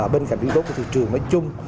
bên cạnh yếu tố của thị trường mới chung